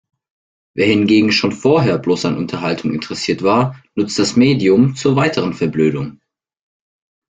Wer hingegen schon vorher bloß an Unterhaltung interessiert war, nutzt das Medium zur weiteren Verblödung.